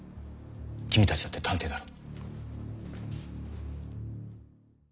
君たちだって探偵だろ。